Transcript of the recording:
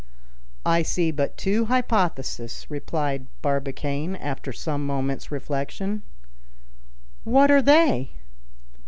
"I see but two hypotheses," replied Barbicane, after some moments' reflection. "What are they?"